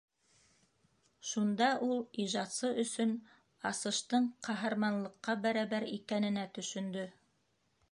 Шунда ул ижадсы өсөн асыштың ҡаһарманлыҡҡа бәрәбәр икәненә төшөндө.